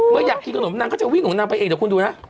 อยากกินขนมนางก็จะวิ่งของนางไปเองเดี๋ยวคุณดูนะ